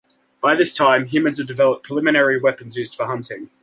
By this time, humans had developed preliminary weapons used for hunting.